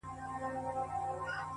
• د مرغکیو د عمرونو کورګی,